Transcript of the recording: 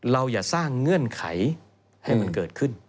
อย่าสร้างเงื่อนไขให้มันเกิดขึ้น